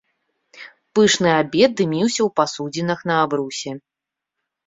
Пышны абед дыміўся ў пасудзінах на абрусе.